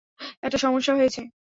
একটা সমস্যা হয়েছে।